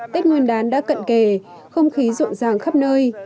tết nguyên đán đã cận kề không khí rộn ràng khắp nơi